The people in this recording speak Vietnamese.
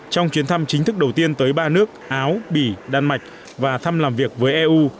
trong chuyến thăm chính thức đầu tiên tới ba nước áo bỉ đan mạch và thăm làm việc với eu